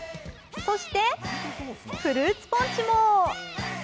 そして、フルーツポンチも。